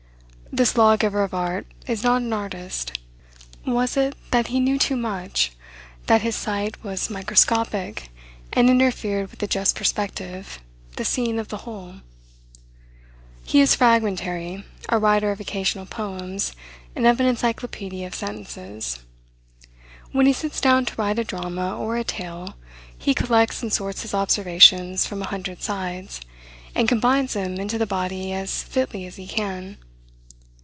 This law giver of art is not an artist. Was it that he knew too much, that his sight was microscopic, and interfered with the just perspective, the seeing of the whole? He is fragmentary; a writer of occasional poems, and of an encyclopaedia of sentences. When he sits down to write a drama or a tale, he collects and sorts his observations from a hundred sides, and combines them into the body as fitly as he can.